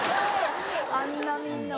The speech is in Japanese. あんなみんな。